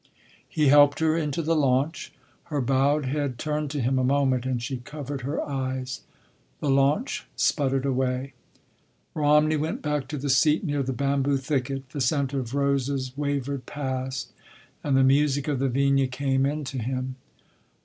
He helped her into the launch. Her bowed head turned to him a moment, and she covered her eyes. The launch sputtered away. Romney went back to the seat near the bamboo thicket. The scent of roses wavered past, and the music of the vina came in to him.